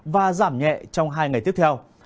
và giảm nhẹ trong hai ngày tiếp theo